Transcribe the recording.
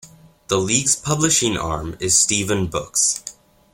The League's publishing arm is Steven Books.